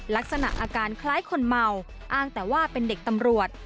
ลักษณะอาการคล้ายคนเมาอ้างแต่ว่าเป็นเด็กตำรวจ